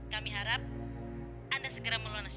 kami harap anda segera melunas